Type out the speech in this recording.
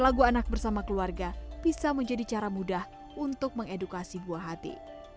lagu anak bersama keluarga bisa menjadi cara mudah untuk mengedukasi buah hati